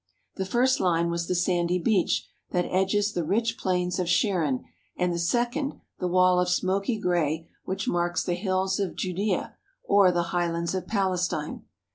The first line was the sandy beach that edges the rich plains of Sharon and the second the wall of smoky gray which marks the hills of Judea or the highlands of Palestine.